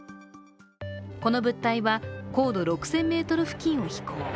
この物体は高度６０００ｍ付近を飛行。